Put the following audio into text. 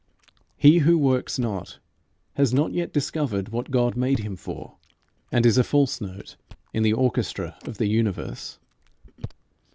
He who works not has not yet discovered what God made him for, and is a false note in the orchestra of the universe.